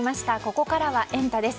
ここからはエンタ！です。